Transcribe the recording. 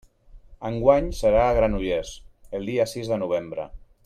Enguany serà a Granollers, el dia sis de novembre.